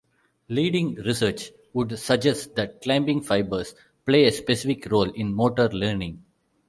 Leading research would suggest that climbing fibers play a specific role in motor learning.